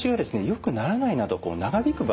よくならないなど長引く場合ですね